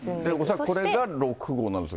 恐らくこれが６号なんですが。